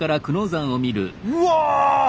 うわ！